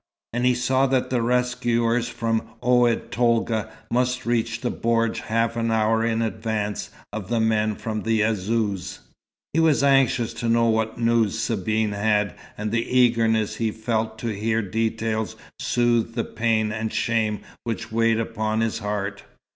And he saw that the rescuers from Oued Tolga must reach the bordj half an hour in advance of the men from Azzouz. He was anxious to know what news Sabine had, and the eagerness he felt to hear details soothed the pain and shame which weighed upon his heart.